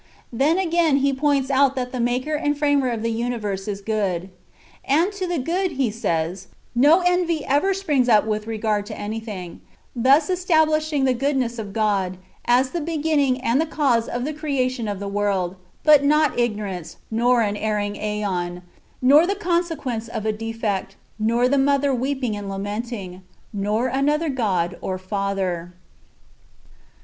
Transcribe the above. "^ Then, again, he points out that the Maker and Framer of the universe is good. " And to the good," he says, "no envy ever springs up with regard to any thing ;"^' thus establishing the goodness of God, as the be ginning and the cause of the creation of the world, but not ignorance, nor an erring ^on, nor the consequence of a defect, nor the Mother weeping and lamenting, nor another God or Father.